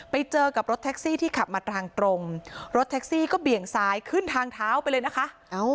ไปเจอกับรถแท็กซี่ที่ขับมาทางตรงรถแท็กซี่ก็เบี่ยงซ้ายขึ้นทางเท้าไปเลยนะคะ